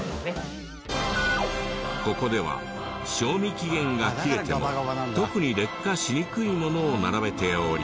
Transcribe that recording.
ここでは賞味期限が切れても特に劣化しにくいものを並べており。